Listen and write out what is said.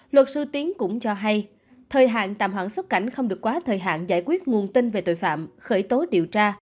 luật sư tiến cũng cho hay thời hạn tạm hoãn xuất cảnh không được quá thời hạn giải quyết nguồn tin về tội phạm khởi tố điều tra